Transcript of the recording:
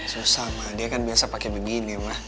susah mah dia kan biasa pake begini mah